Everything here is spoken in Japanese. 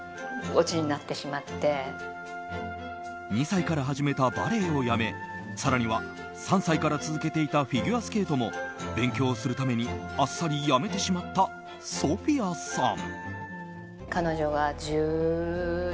２歳から始めたバレエをやめ更には３歳から続けていたフィギュアスケートも勉強をするために、あっさりやめてしまったソフィアさん。